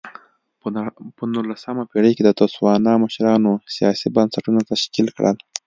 په نولسمه پېړۍ کې د تسوانا مشرانو سیاسي بنسټونه تشکیل کړل.